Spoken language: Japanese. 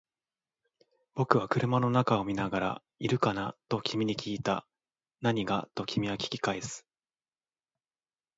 僕は車の中を見ながら、いるかな？と君に訊いた。何が？と君は訊き返す。